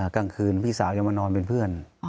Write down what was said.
กลางคืนพี่สาวจะมานอนเป็นเพื่อน